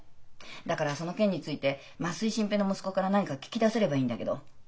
だからその件について増井新平の息子から何か聞き出せればいいんだけど。